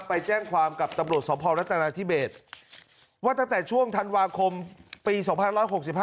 ไปแจ้งความกับตำรวจสพรัฐนาธิเบศว่าตั้งแต่ช่วงธันวาคมปี๒๑๖๕